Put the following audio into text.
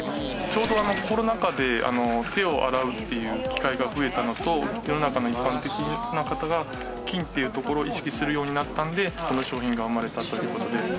ちょうどコロナ禍で手を洗うっていう機会が増えたのと世の中の一般的な方が菌っていうところを意識するようになったのでこの商品が生まれたという事で。